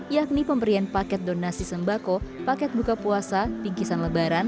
yakni pemberian paket donasi sembako paket buka puasa bingkisan lebaran